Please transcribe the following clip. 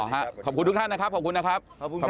ทุกท่านนะครับขอบคุณนะครับ